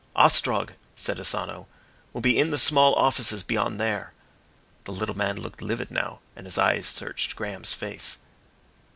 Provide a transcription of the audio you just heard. "Ostrog," said Asano, "will be in the small offices beyond there." The little man looked livid now and his eyes searched Graham's face.